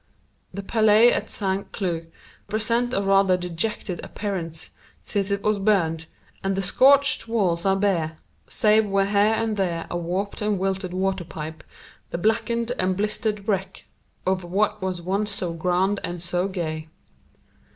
The palais at San Cloo presents a rather dejected appearance since it was burned, and the scorched walls are bare, save where here and there a warped and wilted water pipe festoons the blackened and blistered wreck of what was once so grand and so gay.